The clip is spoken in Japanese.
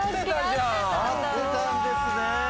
合ってたんですね。